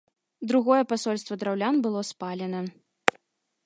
Другое пасольства драўлян было спалена.